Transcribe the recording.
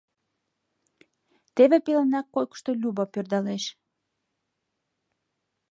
Теве пеленак койкышто Люба пӧрдалеш.